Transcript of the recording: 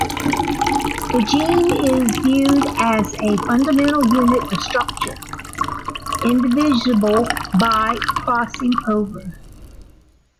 The gene is viewed as a fundamental unit of structure, indivisible by crossing over.